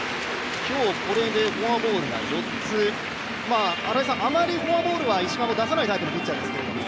今日これでフォアボールが４つ、あまりフォアボールは石川は出さないタイプのピッチャーですけれども。